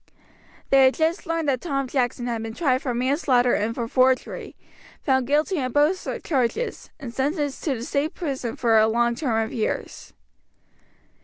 They had just learned that Tom Jackson had been tried for manslaughter and for forgery, found guilty on both charges, and sentenced to the State's Prison for a long term of years.